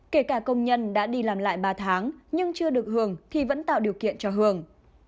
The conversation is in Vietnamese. kể cả công nhân đã đi làm lại ba tháng nhưng chưa được hưởng thì vẫn tạo điều kiện cho hường